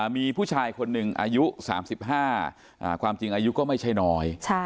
มีผู้ชายคนหนึ่งอายุ๓๕ความจริงอายุก็ไม่ใช่น้อย